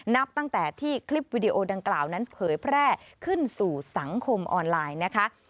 นับตั้งแต่ที่คลิปวิดีโอดังกล่าวนั้นเผยแพร่ขึ้นสู่สังคมออนไลน์นะคะ